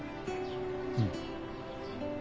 うん。